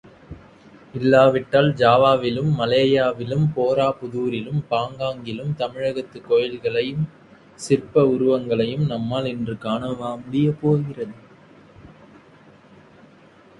இல்லாவிட்டால் ஜாவாவிலும், மலேயாவிலும், போராபுதூரிலும், பாங்காங்கிலும் தமிழகத்துக் கோயில்களையும் சிற்ப உருவங்களையும் நம்மால் இன்றும் காண முடியவா போகிறது?